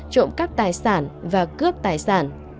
trộm cắt tài sản và cướp tài sản